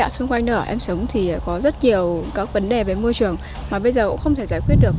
xung quanh nơi ở em sống thì có rất nhiều các vấn đề về môi trường mà bây giờ cũng không thể giải quyết được